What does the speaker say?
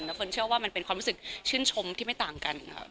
แล้วเฟิร์นเชื่อว่ามันเป็นความรู้สึกชื่นชมที่ไม่ต่างกันค่ะ